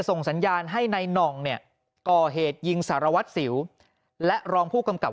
ส่งสัญญาณให้นายน่องเนี่ยก่อเหตุยิงสารวัตรสิวและรองผู้กำกับ